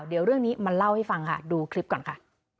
เดี๋ยวเรื่องนี้มาเล่าให้ฟังค่ะดูคลิปก่อนค่ะ